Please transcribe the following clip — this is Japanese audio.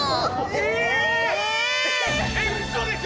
え！？